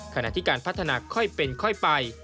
ขณะที่การพัฒนาค่อยเป็นค่อยไป